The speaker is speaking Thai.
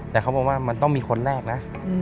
แต่เขาบอกว่ามันต้องมีคนแรกนะ